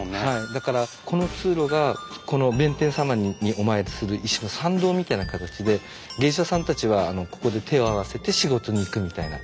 だからこの通路がこの弁天様にお参りする一種の参道みたいな形で芸者さんたちはここで手を合わせて仕事に行くみたいな。